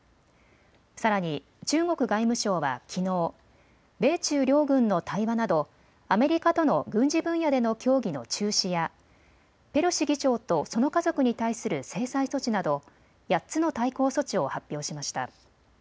さらに中国外務省はきのう、米中両軍の対話などアメリカとの軍事分野での協議の中止や、ペロシ議長とその家族に対する制裁措置など８つの対抗措置を発表しました。